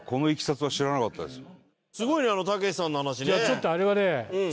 すごいねあのたけしさんの話ね。